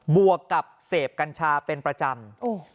วกกับเสพกัญชาเป็นประจำ